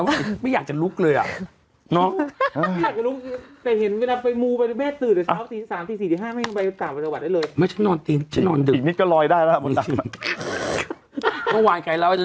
ถ้ว่ามันเหนื่อยจริงไม่อยากจะลุกเลยอ่ะ